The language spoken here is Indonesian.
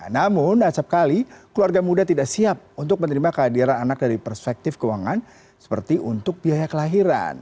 namun acapkali keluarga muda tidak siap untuk menerima kehadiran anak dari perspektif keuangan seperti untuk biaya kelahiran